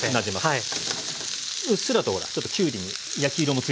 はい。